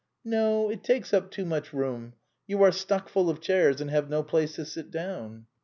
" No, it takes up too much room. You are stuck full of chairs, and have no place to sit down."